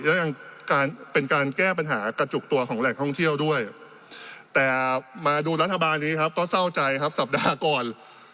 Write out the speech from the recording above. และยังการเป็นการแก้ปัญหากระจุกตัวของแหล่งท่องเที่ยวด้วยแต่มาดูรัฐบาลนี้ครับก็เศร้าใจครับสัปดาห์ก่อน